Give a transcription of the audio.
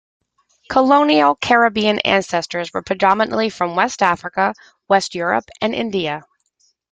Colonial Caribbean ancestors were predominantly from West Africa, West Europe, and India.